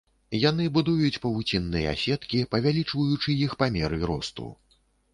Яны будуюць павуцінныя сеткі, павялічваючы іх па меры росту.